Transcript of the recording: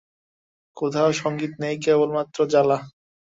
কোথাও সংগীত নেই, কেবলমাত্রই জ্বলা!